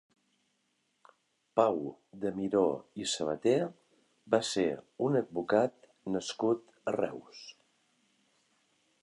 Pau de Miró i Sabater va ser un advocat nascut a Reus.